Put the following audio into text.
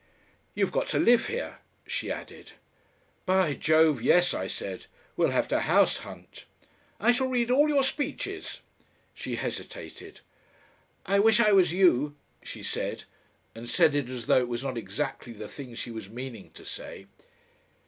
"You've got to live here," she added. "By Jove! yes," I said. "We'll have to house hunt." "I shall read all your speeches." She hesitated. "I wish I was you," she said, and said it as though it was not exactly the thing she was meaning to say.